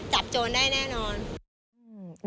โจรได้แน่นอน